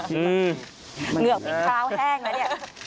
เหงื่อของพี่คาวแห้งแล้วเนี่ย